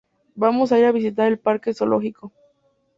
Vamos a ir a visitar el parque zoológico